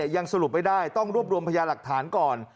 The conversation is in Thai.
ยังสรุปไม่ได้ต้องรวบรวมพยาหลักฐานก่อน